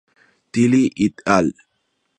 Tilly et al.